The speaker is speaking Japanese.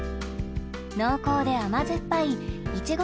濃厚で甘酸っぱいいちご